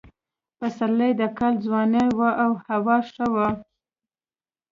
پسرلی د کال ځواني وه او هوا ښه وه.